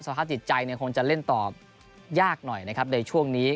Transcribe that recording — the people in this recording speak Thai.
สาธารณาติดใจเนี่ยคงจะเล่นต่อยากหน่อยนะครับในช่วงนี้